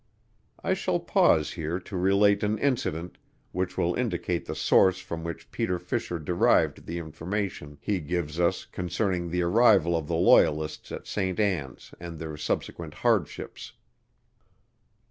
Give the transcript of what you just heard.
I shall pause here to relate an incident, which will indicate the source from which Peter Fisher derived the information he gives us concerning the arrival of the Loyalists at St. Ann's and their subsequent hardships.